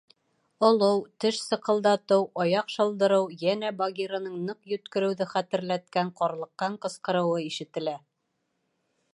Олоу, теш сыҡылдатыу, аяҡ шылдырыу, йәнә Багираның ныҡ йүткереүҙе хәтерләткән ҡарлыҡҡан ҡысҡырыуы ишетелә.